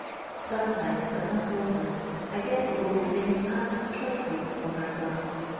Sometimca^ bnt not often, I get the old thing and a trifle for my glass.